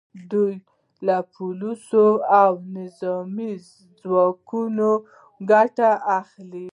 دوی له پولیسو او نظامي ځواکونو ګټه اخلي